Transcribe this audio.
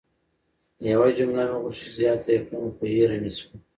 یوه جمله مې غوښتل چې زیاته ېې کړم خو هیره مې سوه!